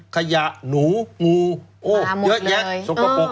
ขยะหนูงูเยอะแยะสกปรก